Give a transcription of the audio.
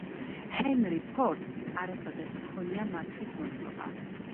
ჰენრი ფორდს არასოდეს ჰქონია მართვის მოწმობა